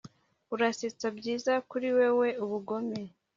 Urasetsa byiza kuri wewe ubugome